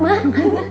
mau cucu bantuin gak